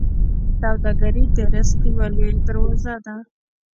سوداګري د رزق یوه لویه دروازه ده.